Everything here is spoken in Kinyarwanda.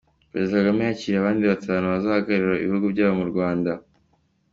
Perezida Kagame yakiriye abandi batanu bazahagararira ibihugu byabo mu Rwanda